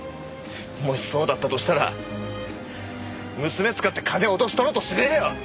もしそうだったとしたら娘使って金を脅し取ろうとしねえよ！